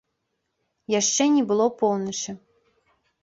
Яшчэ не было поўначы.